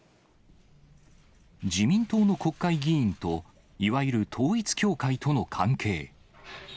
自民党の国会議員といわゆる統一教会との関係。